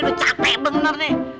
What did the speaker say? udah capek bener nih